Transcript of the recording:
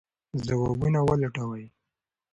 ځوابونه ولټوئ.